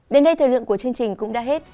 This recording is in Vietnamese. đến đây thời lượng của chương trình cũng đã hết